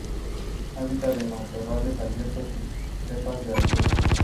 Habita en matorrales abiertos y estepas de altura.